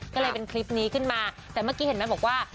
ก็เลยเป็นคลิปนี้ขึ้นมาแต่เมื่อกี้เห็นไหมบอกว่า